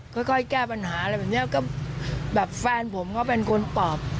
ค่อยแก้ปัญหาอะไรแบบเนี้ยก็แบบแฟนผมก็เป็นคนปอบ